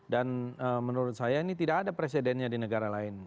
dan menurut saya ini tidak ada presidennya di negara lain